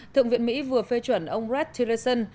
thượng viện mỹ vừa phê chuẩn ông rex tillerson